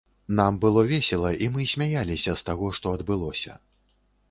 Нам было весела, мы смяяліся з таго, што адбылося.